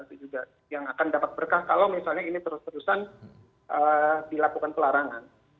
itu juga yang akan dapat berkah kalau misalnya ini terus terusan dilakukan pelarangan